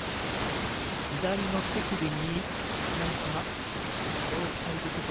左の手首に何か包帯でしょうか。